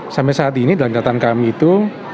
sampai saat ini dalam catatan kami itu